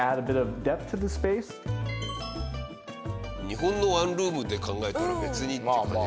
日本のワンルームで考えたら別にっていう感じですよね。